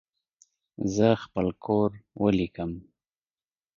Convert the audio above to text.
زه خپل کور ولیکم.